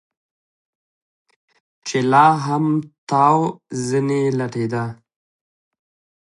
چې لا هم تاو ځنې لټېده.